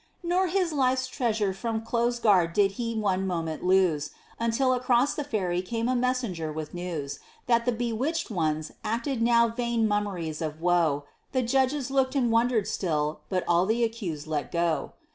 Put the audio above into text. Nor his life's treasure from close guard did he one moment lose, Until across the ferry came a messenger with news That the bewitched ones acted now vain mummeries of woe; The judges looked and wondered still, but all the accused let go.